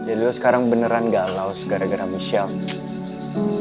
jadi lo sekarang beneran galau segar garah michelle